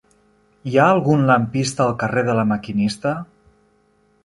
Hi ha algun lampista al carrer de La Maquinista?